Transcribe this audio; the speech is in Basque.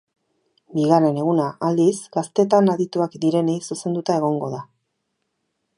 Bigarren eguna, aldiz, gaztetan adituak direnei zuzenduta egongo da.